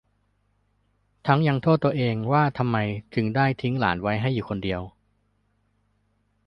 ทั้งยังโทษตัวเองว่าทำไมจึงได้ทิ้งหลานไว้ให้อยู่คนเดียว